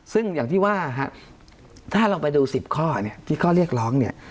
ซึ่งอย่างที่ว่าถ้าเราไปดู๑๐ข้อเนี่ยที่ข้อเรียกร้องเนี่ย